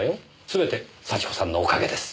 全て幸子さんのおかげです。